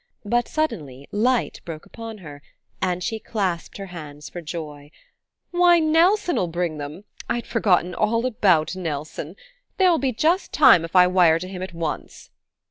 But suddenly light broke on her, and she clasped her hands for joy. "Why, Nelson'll bring them I'd forgotten all about Nelson! There'll be just time if I wire to him at once."